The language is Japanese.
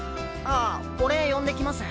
あ俺呼んできます。